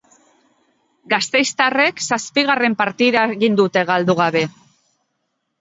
Gasteiztarrek zazpigarren partida egin dute galdu gabe.